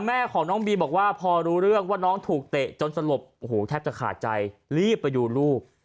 แม่ของน้องบีบอกว่าพอรู้เรื่องว่าน้องถูกเตะจนสลบโอ้โหแทบจะขาดใจรีบไปดูลูก